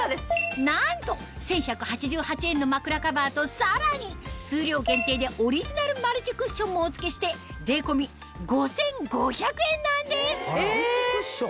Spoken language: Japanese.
なんと１１８８円の枕カバーとさらに数量限定でオリジナルマルチクッションもお付けして税込み５５００円なんですマルチクッション？